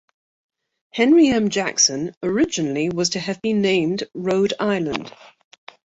"Henry M. Jackson" originally was to have been named "Rhode Island".